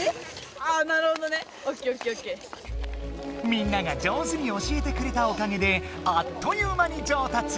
みんなが上手に教えてくれたおかげであっという間に上達！